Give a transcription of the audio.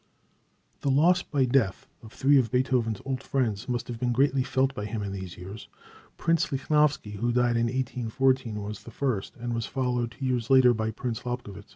The loss by death of three of Beethoven's old friends must have been greatly felt by him in these years. Prince Lichnowsky, who died in 1814, was the first, and was followed two years later by Prince Lobkowitz.